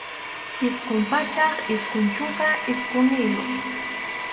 Isqun pachak isqun chunka isqunniyuq.